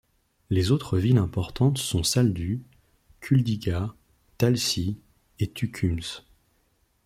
Les autres villes importantes sont Saldus, Kuldiga, Talsi et Tukums.